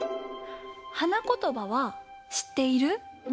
はなことばはしっている？